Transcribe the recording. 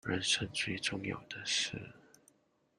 人生最重要的事